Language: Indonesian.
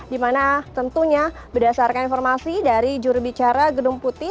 di mana tentunya berdasarkan informasi dari jurubicara gedung putih